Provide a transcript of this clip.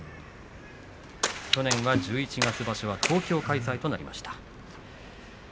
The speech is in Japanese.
去年は十一月場所は東京開催となりました。